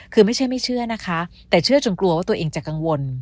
คือไม่ใช่ไม่เชื่อนะคะแต่เชื่อจนกลัวว่าตัวเองจะกังวล